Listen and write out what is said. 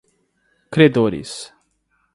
credores